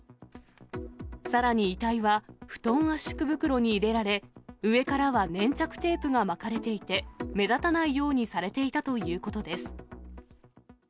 さらに遺体は、布団圧縮袋に入れられ、上からは粘着テープが巻かれていて、目立たないようにされていたということです。